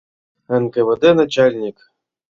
НКВД начальник.